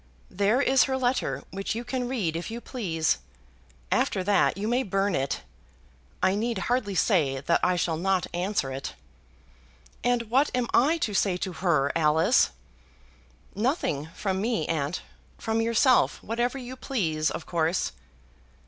There is her letter, which you can read if you please. After that you may burn it. I need hardly say that I shall not answer it." "And what am I to say to her, Alice?" "Nothing from me, aunt; from yourself, whatever you please, of course."